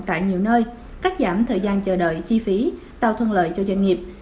tại nhiều nơi cắt giảm thời gian chờ đợi chi phí tạo thuận lợi cho doanh nghiệp